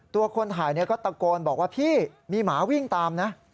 คนถ่ายก็ตะโกนบอกว่าพี่มีหมาวิ่งตามนะ